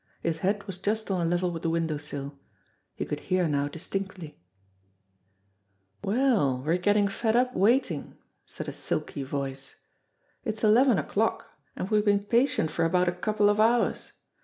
His head was just on a level with the window sill. He could hear now distinctly. 238 JIMMIE DALE AND THE PHANTOM CLUE "Well, we're gettin' fed up waitin'!" said a silky voice. "It's eleven o'clock, and we've been patient for about a couple of hours.